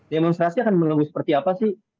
demonstrasi akan mengganggu seperti apa sih